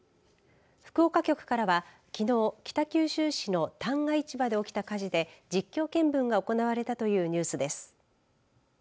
福岡局からはきのう、北九州市の旦過市場で起きた火事で実況見分が行われたというニュースです。